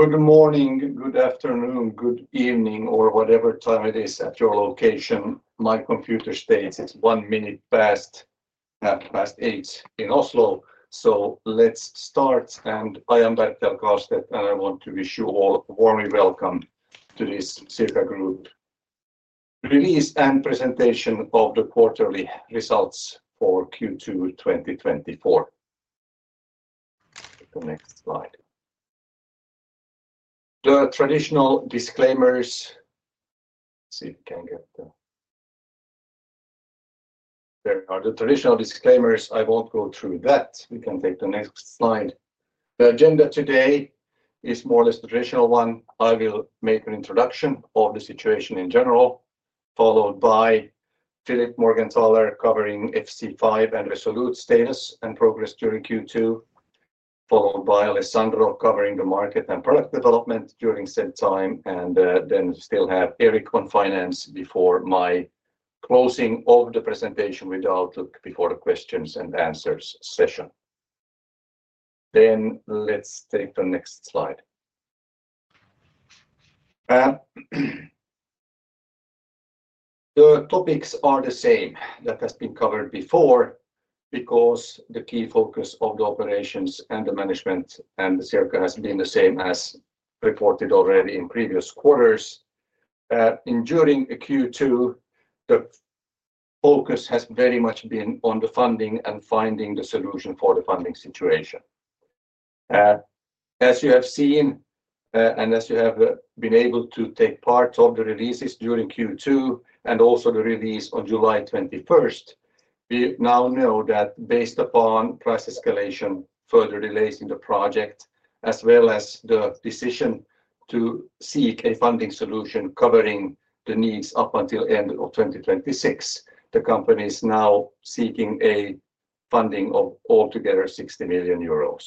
Good morning, good afternoon, good evening, or whatever time it is at your location. My computer states it's 8:01 A.M. in Oslo, so let's start. I am Bertel Karlstedt, and I want to wish you all a warmly welcome to this Circa Group release and presentation of the quarterly results for Q2 2024. The next slide. The traditional disclaimers. There are the traditional disclaimers. I won't go through that. We can take the next slide. The agenda today is more or less the traditional one. I will make an introduction of the situation in general, followed by Philipp Morgenthaler, covering FC5 and ReSolute status and progress during Q2, followed by Alessandro, covering the market and product development during said time, and then still have Erik on finance before my closing of the presentation with the outlook before the questions and answers session, then let's take the next slide. The topics are the same that has been covered before because the key focus of the operations and the management and the Circa has been the same as reported already in previous quarters, and during the Q2, the focus has very much been on the funding and finding the solution for the funding situation. As you have seen, and as you have been able to take part of the releases during Q2 and also the release on July 21st, we now know that based upon price escalation, further delays in the project, as well as the decision to seek a funding solution covering the needs up until end of 2026, the company is now seeking a funding of altogether 60 million euros.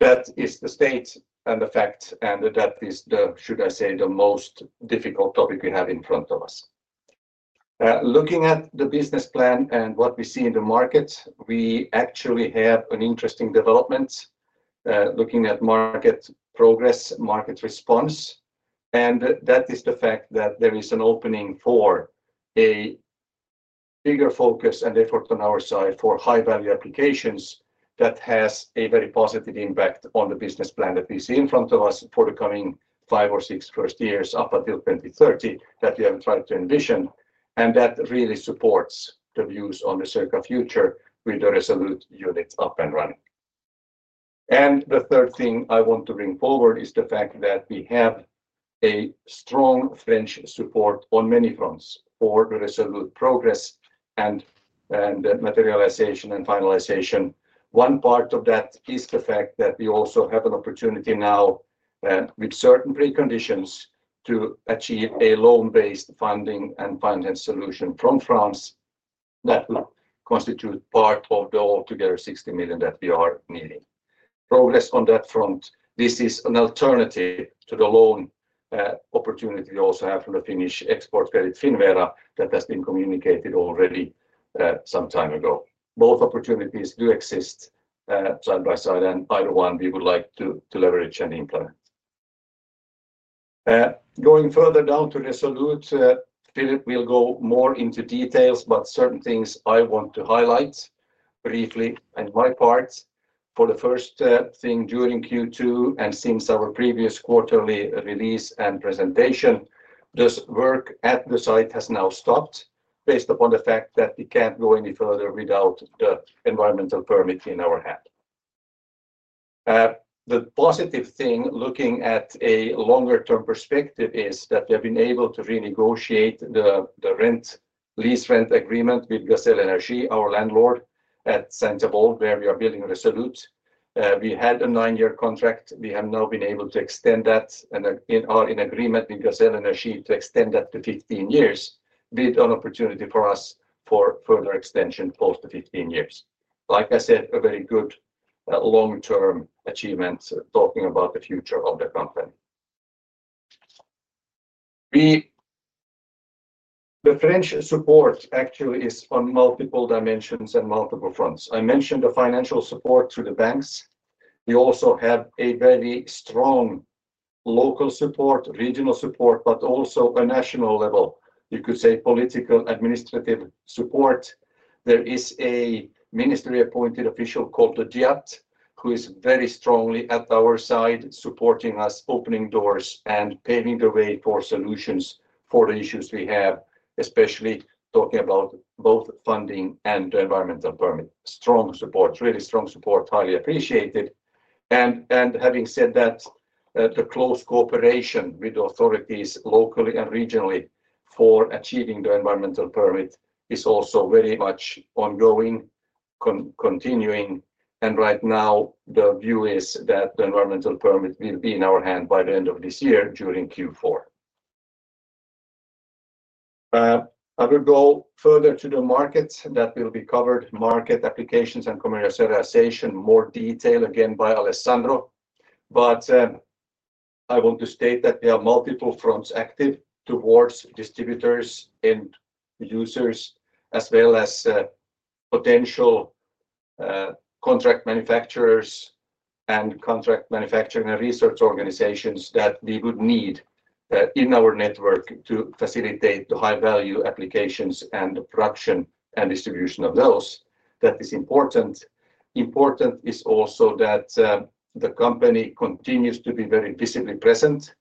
That is the state and the fact, and that is the, should I say, the most difficult topic we have in front of us. Looking at the business plan and what we see in the market, we actually have an interesting development, looking at market progress, market response, and that is the fact that there is an opening for a bigger focus and effort on our side for high-value applications that has a very positive impact on the business plan that we see in front of us for the coming five or six first years up until twenty thirty, that we have tried to envision, and that really supports the views on the Circa future with the Resolute units up and running. The third thing I want to bring forward is the fact that we have a strong French support on many fronts for the Resolute progress and materialization and finalization. One part of that is the fact that we also have an opportunity now, with certain preconditions, to achieve a loan-based funding and finance solution from France that will constitute part of the altogether 60 million that we are needing. Progress on that front, this is an alternative to the loan opportunity we also have from the Finnish export credit, Finnvera, that has been communicated already some time ago. Both opportunities do exist side by side, and either one we would like to leverage and implement. Going further down to Resolute, Philipp will go more into details, but certain things I want to highlight briefly. And my part, for the first thing during Q2 and since our previous quarterly release and presentation, this work at the site has now stopped based upon the fact that we can't go any further without the environmental permit in our hand. The positive thing, looking at a longer-term perspective, is that we have been able to renegotiate the rent lease agreement with Gazelle Energie, our landlord at Saint-Avold, where we are building Resolute. We had a nine-year contract. We have now been able to extend that, and are in agreement with Gazelle Energie to extend that to 15 years, with an opportunity for us for further extension post the 15 years. Like I said, a very good long-term achievement, talking about the future of the company. The French support actually is on multiple dimensions and multiple fronts. I mentioned the financial support through the banks. We also have a very strong local support, regional support, but also a national level, you could say, political, administrative support. There is a ministry-appointed official called the DIAT, who is very strongly at our side, supporting us, opening doors, and paving the way for solutions for the issues we have, especially talking about both funding and the environmental permit. Strong support, really strong support, highly appreciated. And having said that, the close cooperation with the authorities, locally and regionally, for achieving the environmental permit is also very much ongoing, continuing, and right now, the view is that the environmental permit will be in our hand by the end of this year, during Q4. I will go further to the market. That will be covered, market applications and commercialization, more detail, again, by Alessandro. But... I want to state that there are multiple fronts active towards distributors and users, as well as, potential, contract manufacturers and contract manufacturing and research organizations that we would need, in our network to facilitate the high-value applications and the production and distribution of those. That is important. Important is also that, the company continues to be very visibly present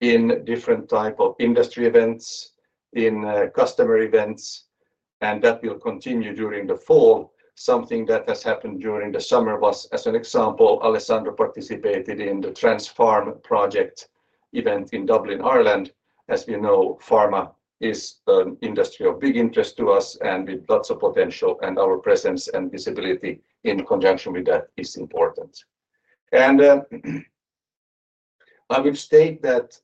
in different type of industry events, in, customer events, and that will continue during the fall. Something that has happened during the summer was, as an example, Alessandro participated in the TransPharm Project event in Dublin, Ireland. As we know, pharma is an industry of big interest to us, and with lots of potential, and our presence and visibility in conjunction with that is important. And, I would state that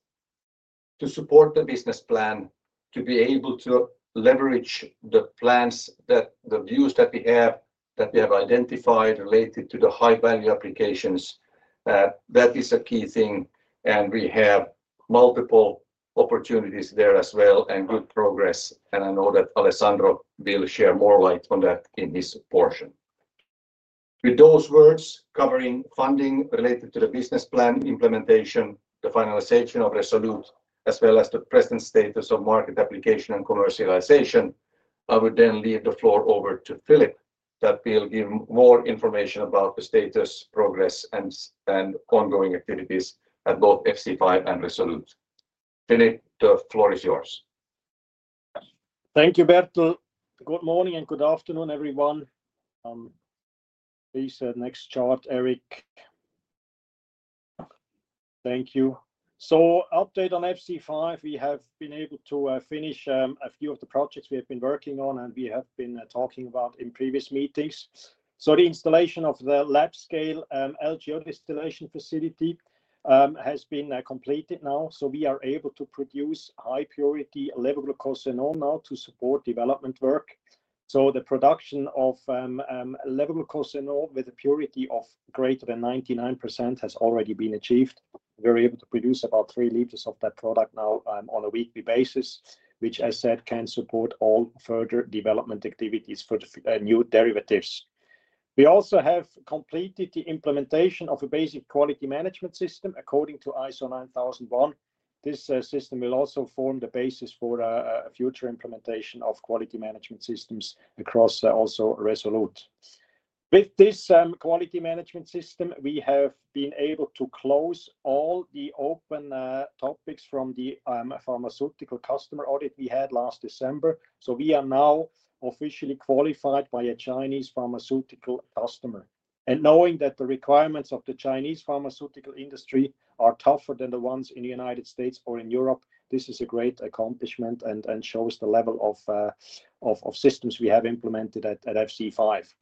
to support the business plan, to be able to leverage the plans that... The views that we have, that we have identified related to the high-value applications, that is a key thing, and we have multiple opportunities there as well, and good progress. I know that Alessandro will share more light on that in his portion. With those words, covering funding related to the business plan implementation, the finalization of Resolute, as well as the present status of market application and commercialization, I would then leave the floor over to Philipp, that will give more information about the status, progress, and ongoing activities at both FC5 and Resolute. Philipp, the floor is yours. Thank you, Bertel. Good morning, and good afternoon, everyone. Please, next chart, Erik. Thank you. So update on FC5, we have been able to finish a few of the projects we have been working on, and we have been talking about in previous meetings. So the installation of the lab-scale LGO distillation facility has been completed now, so we are able to produce high-purity levoglucosan now to support development work. So the production of levoglucosan with a purity of greater than 99% has already been achieved. We're able to produce about three liters of that product now on a weekly basis, which I said, can support all further development activities for the new derivatives. We also have completed the implementation of a basic quality management system, according to ISO 9001. This system will also form the basis for a future implementation of quality management systems across also Resolute. With this quality management system, we have been able to close all the open topics from the pharmaceutical customer audit we had last December, so we are now officially qualified by a Chinese pharmaceutical customer, and knowing that the requirements of the Chinese pharmaceutical industry are tougher than the ones in the United States or in Europe, this is a great accomplishment and shows the level of systems we have implemented at FC5.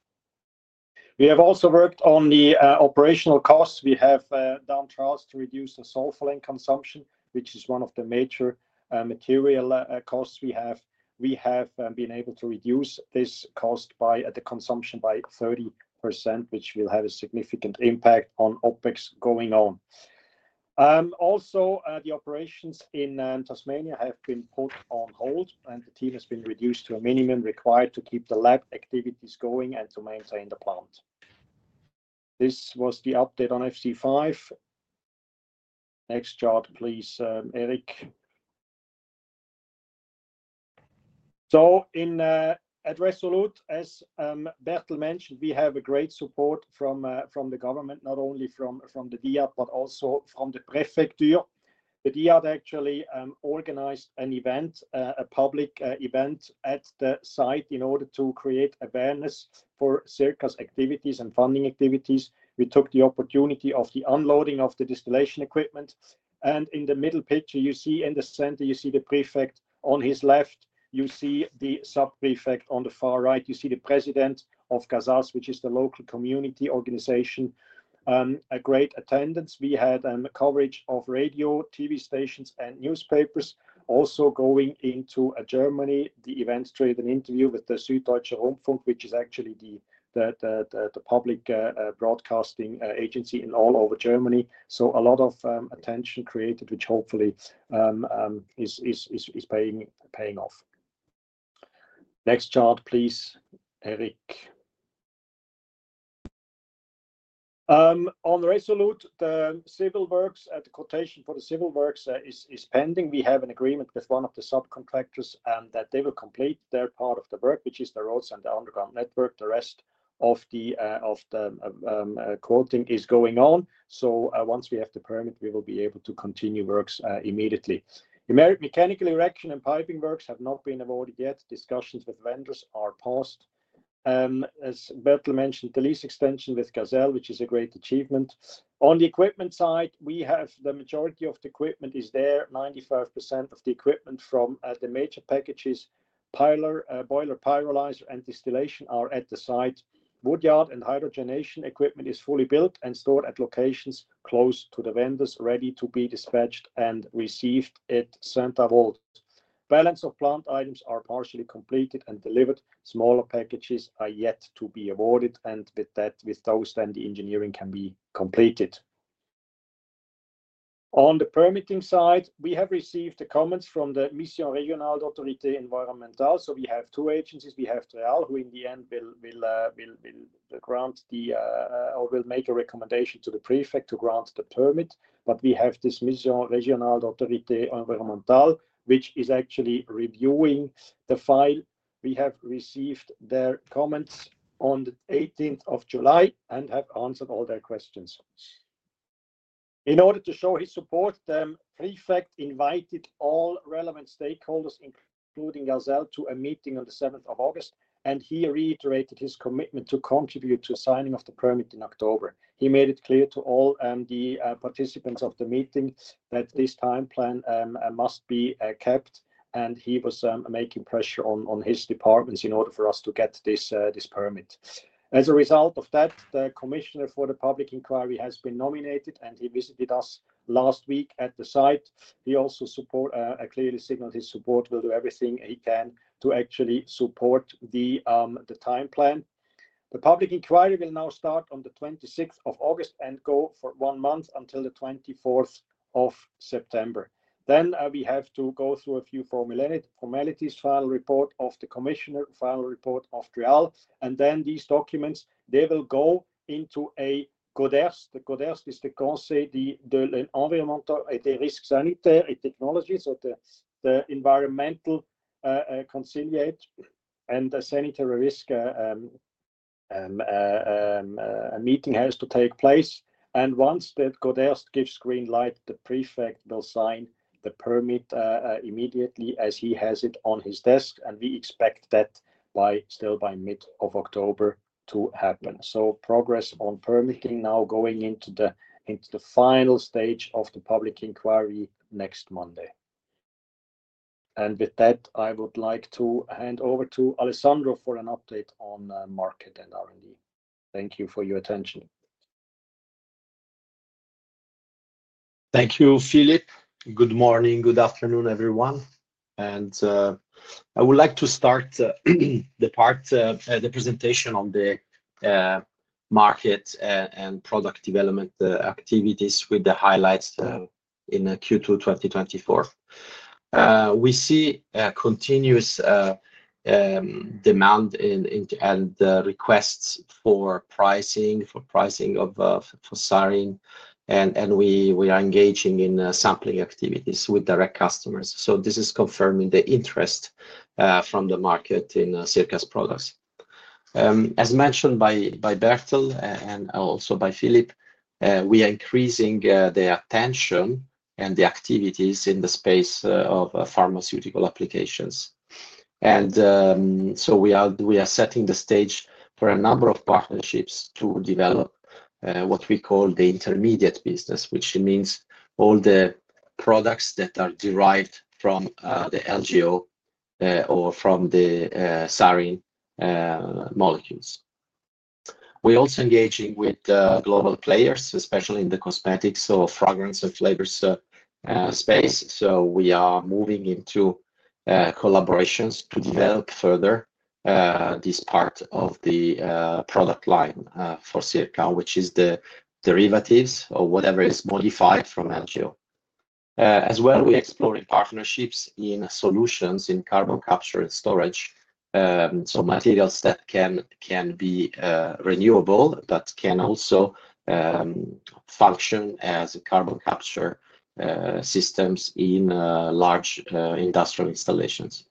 We have also worked on the operational costs. We have done trials to reduce the sulfolane consumption, which is one of the major material costs we have. We have been able to reduce this cost by the consumption by 30%, which will have a significant impact on OPEX going on. Also, the operations in Tasmania have been put on hold, and the team has been reduced to a minimum required to keep the lab activities going and to maintain the plant. This was the update on FC5. Next chart, please, Erik. So at Resolute, as Bertel mentioned, we have a great support from the government, not only from the DIHAP, but also from the Prefecture. The DIHAP actually organized an event, a public event at the site in order to create awareness for Circa's activities and funding activities. We took the opportunity of the unloading of the distillation equipment, and in the middle picture you see, in the center, you see the prefect. On his left, you see the sub-prefect. On the far right, you see the President of CASAS, which is the local community organization. A great attendance. We had coverage of radio, TV stations, and newspapers. Also, going into Germany, the event created an interview with the Südwestrundfunk, which is actually the public broadcasting agency in all over Germany. So a lot of attention created, which hopefully is paying off. Next chart, please, Erik. On Resolute, the civil works at the quotation for the civil works is pending. We have an agreement with one of the subcontractors, and that they will complete their part of the work, which is the roads and the underground network. The rest of the quoting is going on. So, once we have the permit, we will be able to continue works immediately. The mechanical erection and piping works have not been awarded yet. Discussions with vendors are paused. As Bertel mentioned, the lease extension with Gazelle, which is a great achievement. On the equipment side, we have the majority of the equipment is there. 95% of the equipment from the major packages, pyrolysis, boiler, pyrolyzer, and distillation are at the site. Wood yard and hydrogenation equipment is fully built and stored at locations close to the vendors, ready to be dispatched and received at Saint-Avold. Balance of plant items are partially completed and delivered. Smaller packages are yet to be awarded, and with that, with those then the engineering can be completed. On the permitting side, we have received the comments from the Mission Régionale d’Autorité Environnementale. So we have two agencies. We have DREAL, who in the end will grant the permit or will make a recommendation to the prefect to grant the permit. But we have this Mission Régionale d’Autorité Environnementale, which is actually reviewing the file. We have received their comments on the eighteenth of July and have answered all their questions. In order to show his support, the prefect invited all relevant stakeholders, including ourselves, to a meeting on the seventh of August, and he reiterated his commitment to contribute to signing of the permit in October. He made it clear to all, the participants of the meeting that this time plan must be kept, and he was making pressure on his departments in order for us to get this permit. As a result of that, the commissioner for the public inquiry has been nominated, and he visited us last week at the site. He also clearly signaled his support, will do everything he can to actually support the time plan. The public inquiry will now start on the 26th of August and go for one month until the 24th of September. Then, we have to go through a few formalities, final report of the commissioner, final report of DREAL, and then these documents, they will go into a CODERST. The CODERST is the Conseil Départemental de l'Environnement et des Risques Sanitaires et Technologiques, so the environmental conciliator and the sanitary risk meeting has to take place. And once the CODERST gives green light, the prefect will sign the permit immediately as he has it on his desk, and we expect that still by mid of October to happen. So progress on permitting now going into the final stage of the public inquiry next Monday. And with that, I would like to hand over to Alessandro for an update on market and R&D. Thank you for your attention. Thank you, Philipp. Good morning, good afternoon, everyone, and I would like to start the part the presentation on the market and product development activities with the highlights in Q2 2024. We see a continuous demand in and requests for pricing of Cyrene, and we are engaging in sampling activities with direct customers. So this is confirming the interest from the market in Circa's products. As mentioned by Bertel and also by Philipp, we are increasing the attention and the activities in the space of pharmaceutical applications. And so we are setting the stage for a number of partnerships to develop what we call the intermediate business, which means all the products that are derived from the LGO or from the Cyrene molecules. We're also engaging with global players, especially in the cosmetics or fragrance and flavors space. So we are moving into collaborations to develop further this part of the product line for Circa, which is the derivatives or whatever is modified from LGO. As well, we're exploring partnerships in solutions in carbon capture and storage, so materials that can be renewable, but can also function as carbon capture systems in large industrial installations.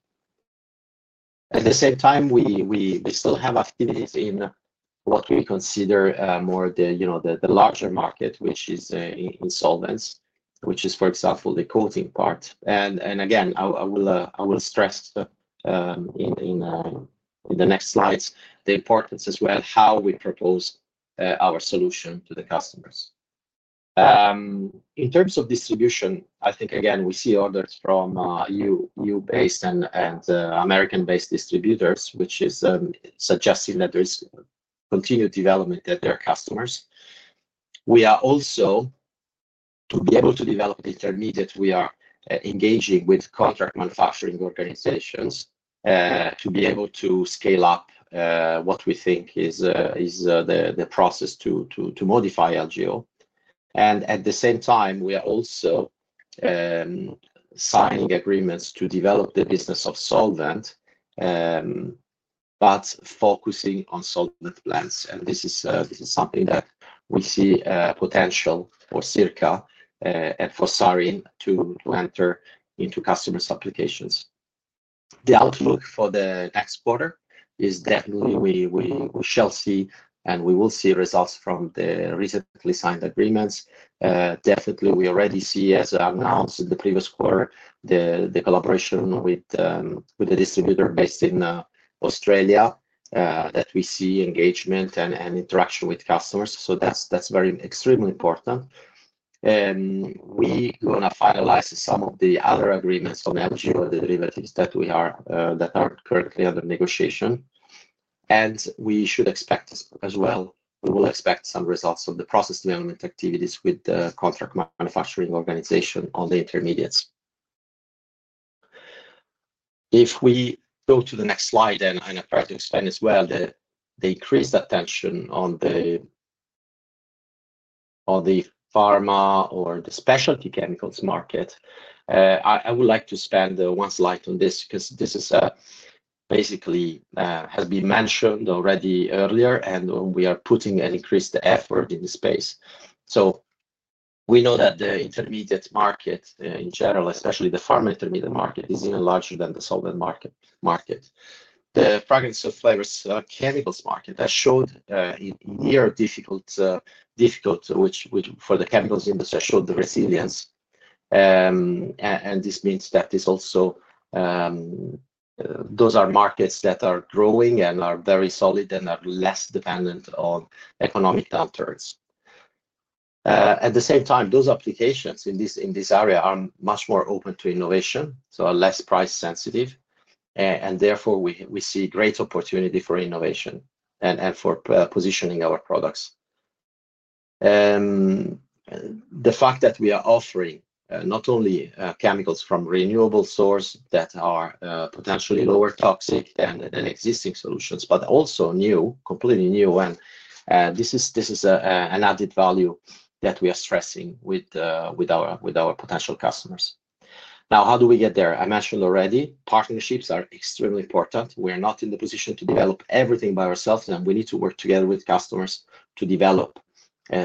At the same time, we still have activities in what we consider more the, you know, the larger market, which is in solvents, which is, for example, the coating part. And again, I will stress in the next slides the importance as well, how we propose our solution to the customers. In terms of distribution, I think again, we see orders from EU-based and American-based distributors, which is suggesting that there is continued development at their customers. We are also, to be able to develop the intermediate, we are engaging with contract manufacturing organizations to be able to scale up what we think is the process to modify LGO. And at the same time, we are also signing agreements to develop the business of solvent, but focusing on solvent plants. This is something that we see potential for Circa, and for Cyrene to enter into customers' applications. The outlook for the next quarter is definitely we shall see, and we will see results from the recently signed agreements. Definitely, we already see, as announced in the previous quarter, the collaboration with the distributor based in Australia, that we see engagement and interaction with customers. So that's very extremely important. And we gonna finalize some of the other agreements on LGO derivatives that we are, that are currently under negotiation. and we should expect, as well, we will expect some results of the process development activities with the contract manufacturing organization on the intermediates. If we go to the next slide, and I'm going to try to explain as well the increased attention on the pharma or the specialty chemicals market. I would like to spend one slide on this, because this is basically has been mentioned already earlier, and we are putting an increased effort in this space. So we know that the intermediate market in general, especially the pharma intermediate market, is even larger than the solvent market. The fragrance and flavors chemicals market that showed difficult, which for the chemicals industry showed the resilience. And this means that this also, those are markets that are growing and are very solid and are less dependent on economic downturns. At the same time, those applications in this area are much more open to innovation, so are less price sensitive, and therefore, we see great opportunity for innovation and for positioning our products. The fact that we are offering not only chemicals from renewable sources that are potentially less toxic than existing solutions, but also new, completely new, and this is an added value that we are stressing with our potential customers. Now, how do we get there? I mentioned already, partnerships are extremely important. We're not in the position to develop everything by ourselves, and we need to work together with customers to develop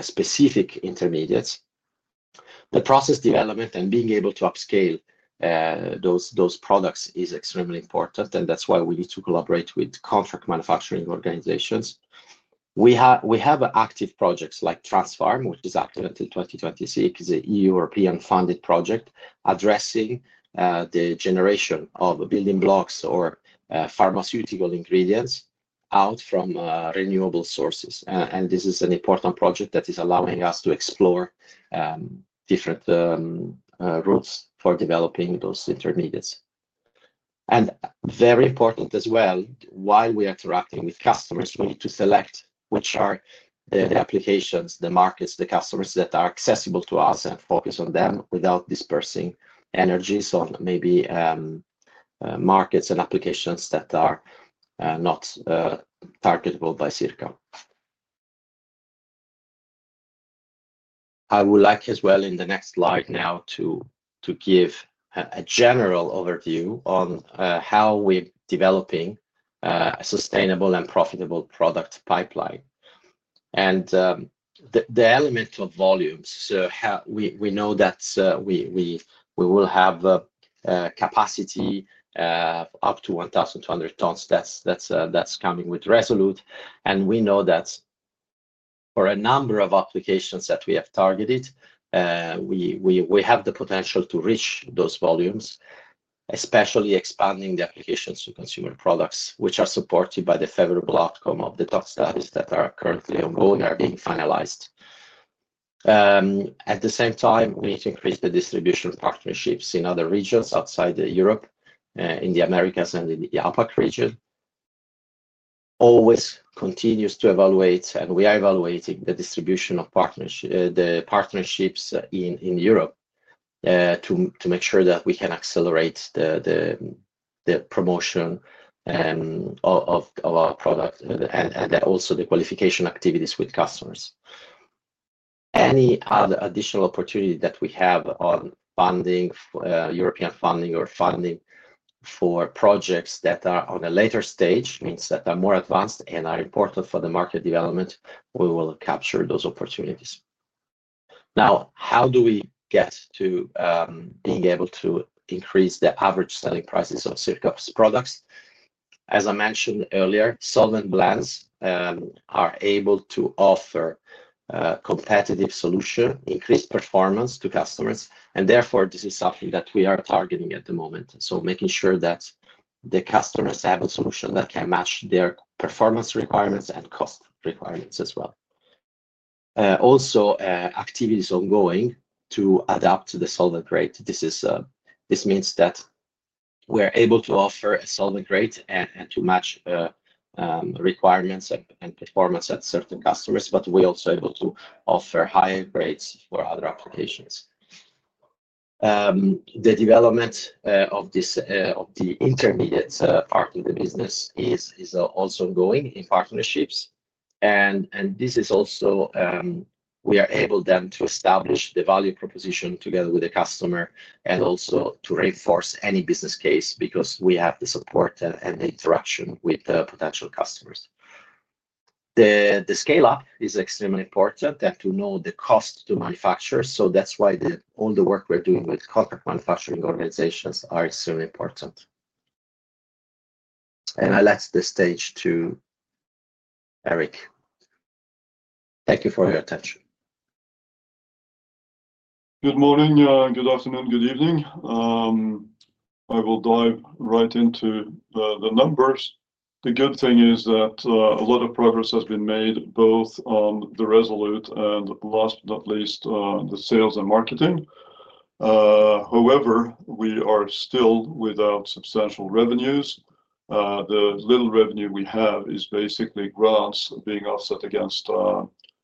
specific intermediates. The process development and being able to upscale those products is extremely important, and that's why we need to collaborate with contract manufacturing organizations. We have active projects like TransPharm, which is active until 2026. It's a European-funded project addressing the generation of building blocks or pharmaceutical ingredients out from renewable sources, and this is an important project that is allowing us to explore different routes for developing those intermediates. Very important as well, while we are interacting with customers, we need to select which are the applications, the markets, the customers that are accessible to us and focus on them without dispersing energy on maybe markets and applications that are not targetable by Circa. I would like as well in the next slide now to give a general overview on how we're developing a sustainable and profitable product pipeline. The element of volumes, how we know that we will have a capacity up to one thousand two hundred tons. That's coming with Resolute, and we know that for a number of applications that we have targeted, we have the potential to reach those volumes, especially expanding the applications to consumer products, which are supported by the favorable outcome of the tox studies that are currently ongoing or being finalized. At the same time, we need to increase the distribution partnerships in other regions outside Europe, in the Americas and in the APAC region. Always continues to evaluate, and we are evaluating the distribution of partnerships in Europe, to make sure that we can accelerate the promotion of our product and also the qualification activities with customers. Any other additional opportunity that we have on funding, European funding or funding for projects that are on a later stage, means that are more advanced and are important for the market development, we will capture those opportunities. Now, how do we get to, being able to increase the average selling prices of Circa's products? As I mentioned earlier, solvent blends, are able to offer a competitive solution, increased performance to customers, and therefore, this is something that we are targeting at the moment. Making sure that the customers have a solution that can match their performance requirements and cost requirements as well. Also, activities ongoing to adapt to the solvent grade. This means that we're able to offer a solvent grade and to match requirements and performance at certain customers, but we're also able to offer higher grades for other applications. The development of the intermediates part of the business is also ongoing in partnerships. And this is also, we are able then to establish the value proposition together with the customer and also to reinforce any business case because we have the support and the interaction with the potential customers. The scale up is extremely important and to know the cost to manufacture, so that's why all the work we're doing with contract manufacturing organizations are so important. I let the stage to Erik. Thank you for your attention. Good morning, good afternoon, good evening. I will dive right into the numbers. The good thing is that a lot of progress has been made, both on the Resolute and last but not least, the sales and marketing. However, we are still without substantial revenues. The little revenue we have is basically grants being offset against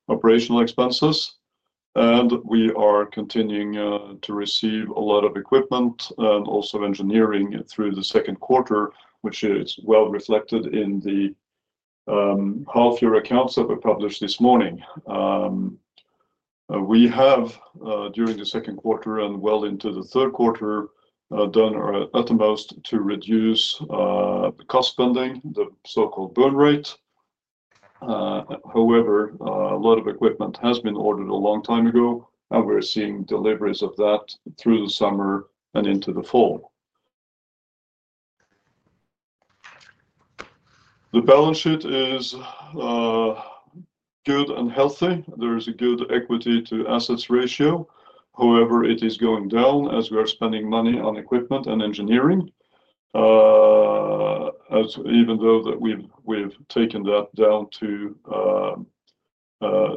operational expenses, and we are continuing to receive a lot of equipment, and also engineering through the Q2, which is well reflected in the half-year accounts that were published this morning. We have during the Q2 and well into the Q3 done our utmost to reduce cost spending, the so-called burn rate. However, a lot of equipment has been ordered a long time ago, and we're seeing deliveries of that through the summer and into the fall. The balance sheet is good and healthy. There is a good equity to assets ratio. However, it is going down as we are spending money on equipment and engineering. As even though that we've taken that down to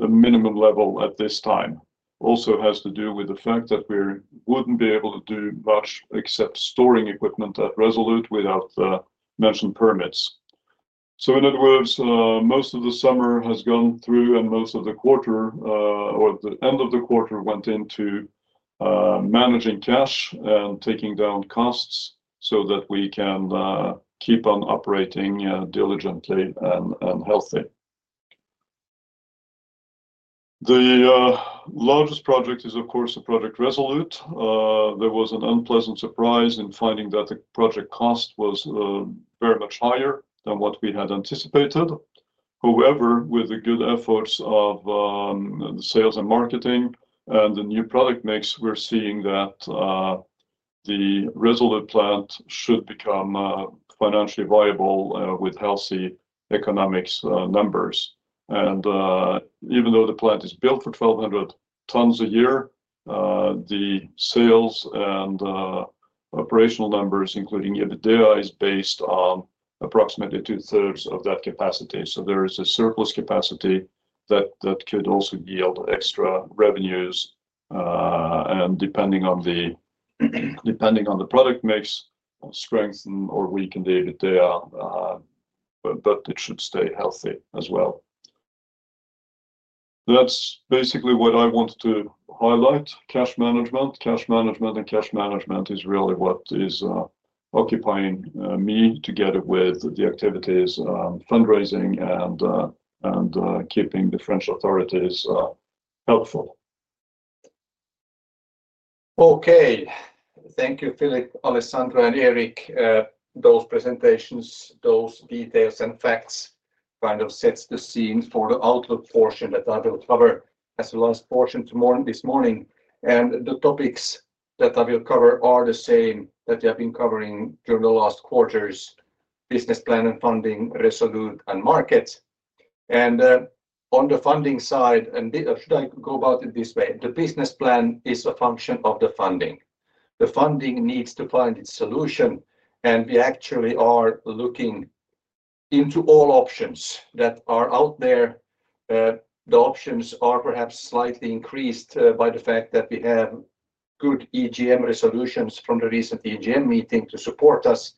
a minimum level at this time, also has to do with the fact that we wouldn't be able to do much except storing equipment at Resolute without the mentioned permits. So in other words, most of the summer has gone through, and most of the quarter, or the end of the quarter went into managing cash and taking down costs so that we can keep on operating diligently and healthy. The largest project is, of course, the Project Resolute. There was an unpleasant surprise in finding that the project cost was very much higher than what we had anticipated. However, with the good efforts of the sales and marketing and the new product mix, we're seeing that the Resolute plant should become financially viable with healthy economics numbers. Even though the plant is built for 1,200 tons a year, the sales and operational numbers, including EBITDA, is based on approximately two-thirds of that capacity. So there is a surplus capacity that could also yield extra revenues and depending on the product mix, strengthen or weaken the EBITDA, but it should stay healthy as well. That's basically what I wanted to highlight. Cash management, cash management, and cash management is really what is occupying me together with the activities, fundraising and keeping the French authorities helpful. Okay. Thank you, Philipp, Alessandro, and Erik. Those presentations, those details and facts, kind of sets the scene for the outlook portion that I will cover as the last portion tomorrow - this morning. The topics that I will cover are the same that we have been covering during the last quarters: business plan and funding, Resolute and markets. On the funding side, should I go about it this way? The business plan is a function of the funding. The funding needs to find its solution, and we actually are looking into all options that are out there. The options are perhaps slightly increased by the fact that we have good EGM resolutions from the recent EGM meeting to support us.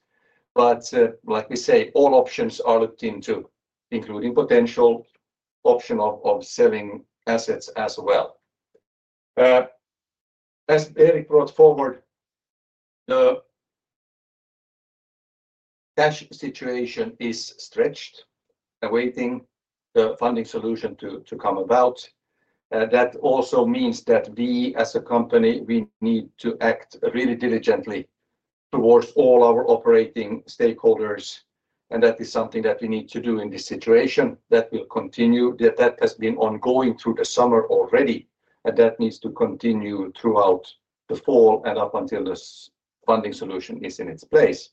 But, like we say, all options are looked into, including potential option of selling assets as well. As Erik brought forward, the cash situation is stretched, awaiting the funding solution to come about. That also means that we, as a company, we need to act really diligently toward all our operating stakeholders, and that is something that we need to do in this situation that will continue, that has been ongoing through the summer already, and that needs to continue throughout the fall and up until this funding solution is in its place.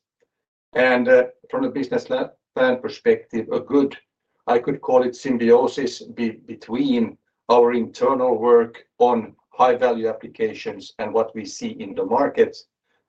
From a business plan perspective, a good, I could call it symbiosis between our internal work on high-value applications and what we see in the market,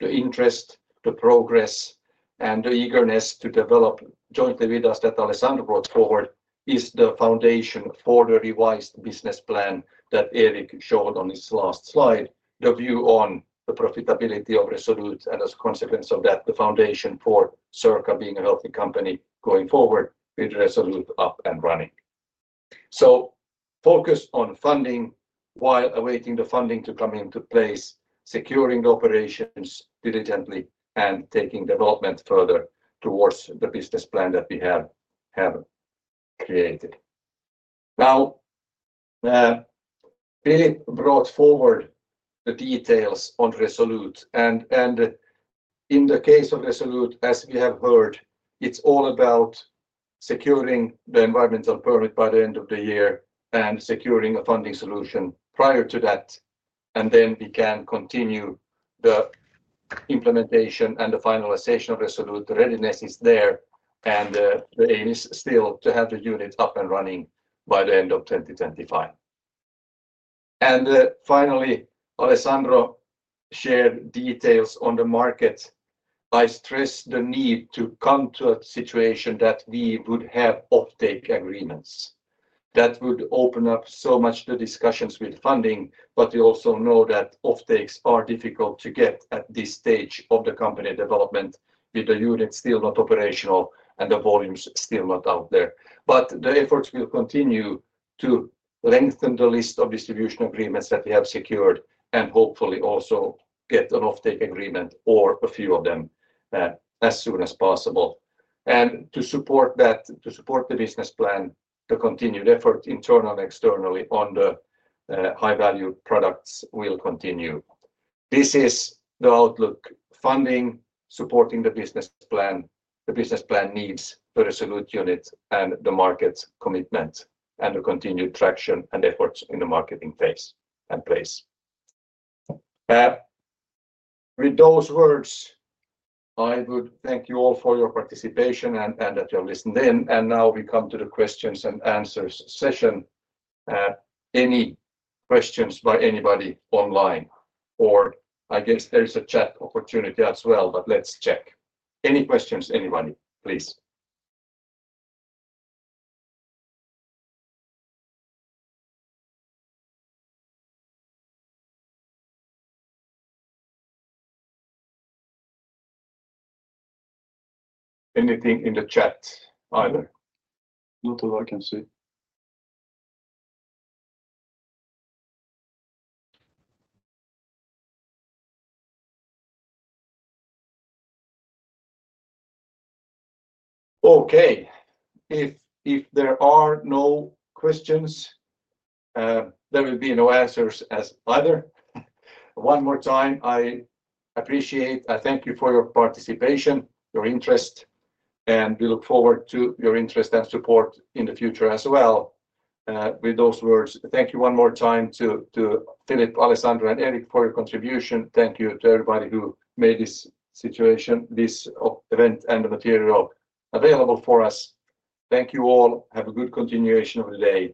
the interest, the progress, and the eagerness to develop jointly with us, that Alessandro brought forward, is the foundation for the revised business plan that Erik showed on his last slide. The view on the profitability of Resolute, and as a consequence of that, the foundation for Circa being a healthy company going forward with Resolute up and running, so focus on funding while awaiting the funding to come into place, securing operations diligently, and taking development further towards the business plan that we have created. Now, Philipp brought forward the details on Resolute, and in the case of Resolute, as we have heard, it's all about securing the environmental permit by the end of the year and securing a funding solution prior to that, and then we can continue the implementation and the finalization of Resolute. The readiness is there, and the aim is still to have the unit up and running by the end of 2025. Finally, Alessandro shared details on the market. I stress the need to come to a situation that we would have offtake agreements. That would open up so much the discussions with funding, but we also know that offtakes are difficult to get at this stage of the company development, with the unit still not operational and the volumes still not out there, but the efforts will continue to lengthen the list of distribution agreements that we have secured, and hopefully also get an offtake agreement, or a few of them, as soon as possible. And to support that, to support the business plan, the continued effort, internal and externally, on the high-value products will continue. This is the outlook: funding, supporting the business plan. The business plan needs the Resolute unit and the market commitment, and the continued traction and efforts in the marketing phase and place. With those words, I would thank you all for your participation and, and that you have listened in, and now we come to the questions and answers session. Any questions by anybody online, or I guess there is a chat opportunity as well, but let's check. Any questions, anybody, please? Anything in the chat either? Not that I can see. Okay. If, if there are no questions, there will be no answers as either. One more time, I appreciate, I thank you for your participation, your interest, and we look forward to your interest and support in the future as well. With those words, thank you one more time to Philipp, Alessandro, and Erik for your contribution. Thank you to everybody who made this situation, this event and the material available for us. Thank you all. Have a good continuation of the day.